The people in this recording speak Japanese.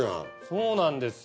そうなんですよ。